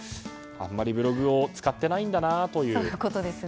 あまりブログを使っていないんだなという。